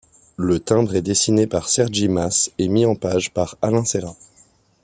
Le timbre est dessiné par Sergi Mas et mis en page par Alain Seyrat.